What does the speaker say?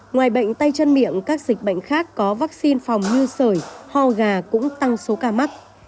ngoài bệnh tay chân miệng các dịch bệnh khác có vaccine phòng như sởi ho gà cũng tăng số ca mắc